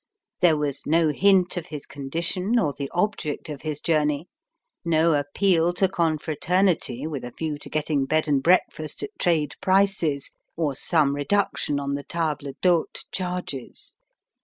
There was no hint of his condition or the object of his journey, no appeal to confraternity with a view to getting bed and breakfast at trade prices, or some reduction on the table d'hote charges.